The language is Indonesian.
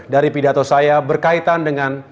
dari pidato saya berkaitan dengan